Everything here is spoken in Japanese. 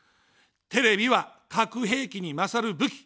テレビは核兵器に勝る武器。